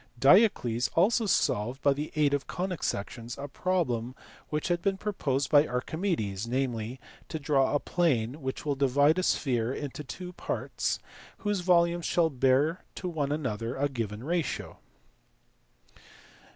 Diocles also solved (by the aid of conic sections) a problem which had been proposed by Archimedes, namely, to draw a plane which will divide a sphere into two parts whose volumes shall bear to one another a given ratio.